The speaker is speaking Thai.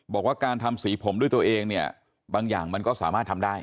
บอกว่าการทำสีผมด้วยตัวเองเนี่ยบางอย่างมันก็สามารถทำได้